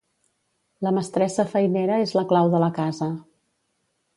La mestressa feinera és la clau de la casa.